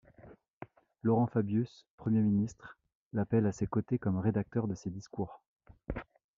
Laurent Fabius, Premier ministre, l'appelle à ses côtés comme rédacteur de ses discours.